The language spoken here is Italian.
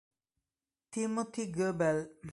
Timothy Goebel